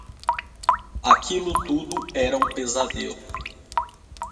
Aquilo tudo era um pesadelo